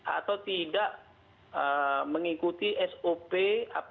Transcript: atau tidak mengikuti sop